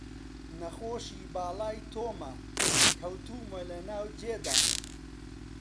نەخۆشی باڵای تۆمە، کەوتوومە لە ناو جێدام